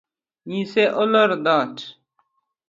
Nyise olor dhoot.